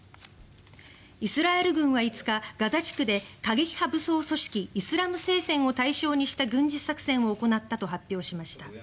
イスラエル軍は５日ガザ地区で過激派組織武装組織イスラム聖戦を対象とした軍事作戦を行ったと発表しました。